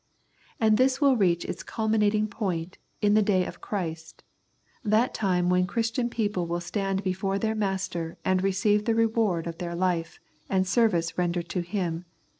And this will reach its culminating point in the ^' day of Christ," that time when Christian people will stand before their Master and receive the reward of their life and service rendered to Him (ch.